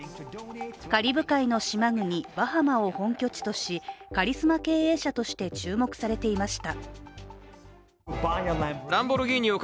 カリブ海の島国バハマを本拠地としカリスマ経営者として注目されていました。